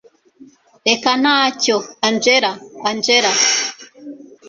reka ntacyo angella angella